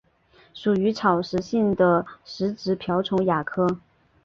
属于草食性的食植瓢虫亚科。